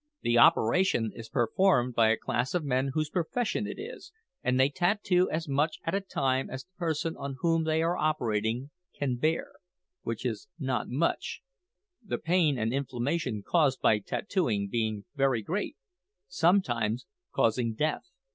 The operation is performed by a class of men whose profession it is, and they tattoo as much at a time as the person on whom they are operating can bear, which is not much, the pain and inflammation caused by tattooing being very great sometimes causing death.